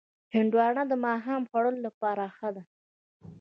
هندوانه د ماښام خوړلو لپاره ښه ده.